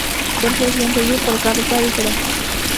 Por eso, deciden seguir por otra ruta diferente.